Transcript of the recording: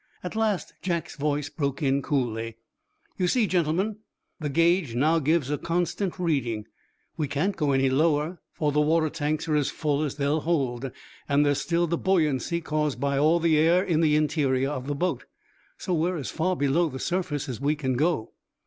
At last Jack's voice broke in, coolly: "You see, gentlemen, the gauge now gives a constant reading. We can't go any lower, for the water tanks are as full as they'll hold, and there's still the buoyancy caused by all the air the interior of the boat. So we're as far below the surface as we can go."